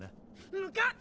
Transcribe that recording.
むかっ！